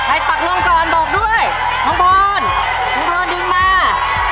ใช้ปักล่องจ่อนบอกด้วยมองพอร์นมองพอร์นดึงมา